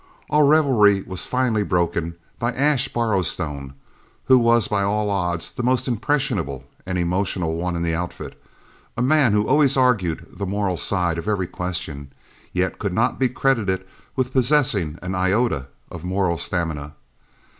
Our reverie was finally broken by Ash Borrowstone, who was by all odds the most impressionable and emotional one in the outfit, a man who always argued the moral side of every question, yet could not be credited with possessing an iota of moral stamina.